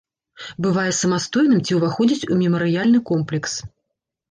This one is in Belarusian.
Бывае самастойным ці ўваходзіць у мемарыяльны комплекс.